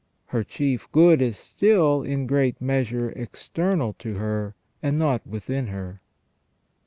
Her chief good is still in great measure external to her, and not within her.